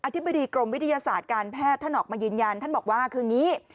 ธิบดีกรมวิทยาศาสตร์การแพทย์ท่านออกมายืนยันท่านบอกว่าคืออย่างนี้